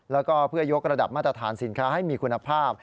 แล้วก็เพื่อยกระดับมาตรฐานสินค้าให้มีคุณภาพ